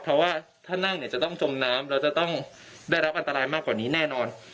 เพราะว่าถ้านั่งเนี่ยจะต้องจมน้ำเราจะต้องได้รับอันตรายมากกว่านี้แน่นอน